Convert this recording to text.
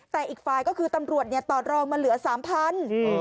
แต่อีกฝ่ายก็คือตำรวจต่อรองมาเหลือ๓๐๐บาท